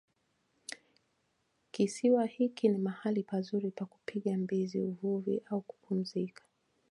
Kisiwa hiki ni mahali pazuri pa kupiga mbizi uvuvi au kupumzika